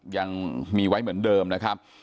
ยังมีไว้เหมือนเดิมนะครับ